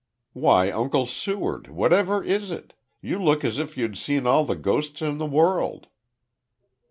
"Why, Uncle Seward, whatever is it? You look as if you had seen all the ghosts in the world."